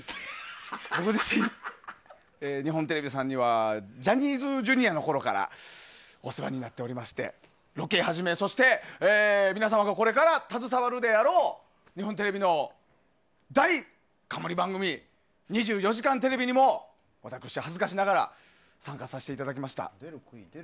僕自身、日本テレビさんにはジャニーズＪｒ．のころからお世話になっておりましてロケをはじめそして、皆様がこれから携わるであろう日本テレビの大冠番組「２４時間テレビ」にも私、恥ずかしながら参加させていただきました。